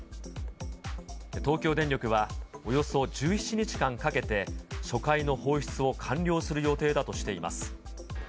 東京電力はおよそ１７日間かけて、初回の放出を完了する予定だとしています。